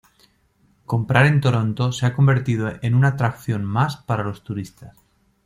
Comprar en Toronto se ha convertido en una atracción más para los turistas.